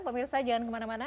pak mirsa jangan kemana mana